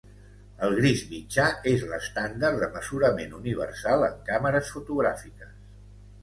El gris mitjà és l'estàndard de mesurament universal en càmeres fotogràfiques.